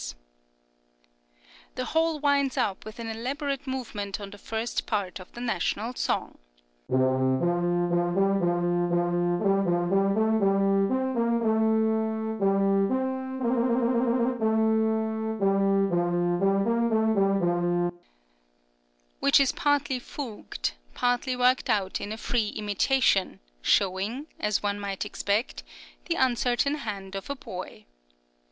[See Page Image] The whole winds up with an elaborate movement on the first part of the national song which is partly fugued, partly worked out in a free imitation, showing, as one might expect, the uncertain hand of a boy.